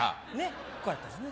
こうやったんですね。